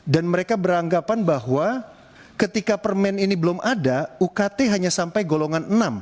dan mereka beranggapan bahwa ketika permen ini belum ada ukt hanya sampai golongan enam